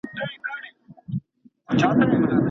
بهرني ناروغان به افغانستان ته راسي؟